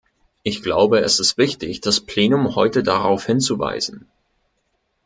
Ich glaube, es ist wichtig, das Plenum heute darauf hinzuweisen.